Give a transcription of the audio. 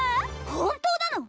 本当なの？